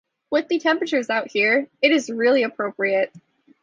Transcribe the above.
With the temperatures out here, it is really appropriate.